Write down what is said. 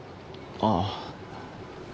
ああ。